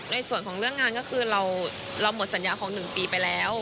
ในส่วนของเรื่องงานก็คือเราหมดสัญญาของ๑ปีไปแล้ว